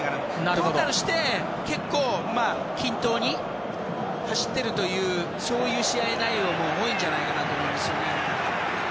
トータルして均等に走っているというそういう試合内容も多いんじゃないかと思いますね。